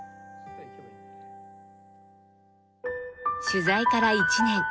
取材から１年。